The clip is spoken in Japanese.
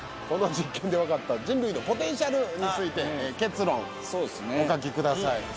この実験で分かった人類のポテンシャルについて結論お書きください。